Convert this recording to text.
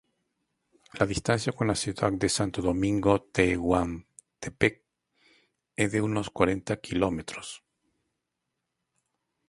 La distancia con la ciudad de Santo Domingo Tehuantepec es de uno cuarenta kilómetros.